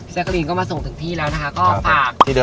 ใส่เท้าวันนี้